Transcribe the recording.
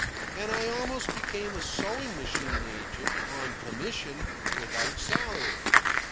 And I almost became a sewing machine agent, on commission, without salary.